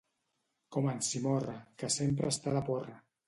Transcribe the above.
Com en Simorra, que sempre està de porra.